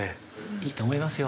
◆いいと思いますよ。